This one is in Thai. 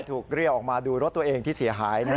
ถูกเรียกออกมาดูรถตัวเองที่เสียหาย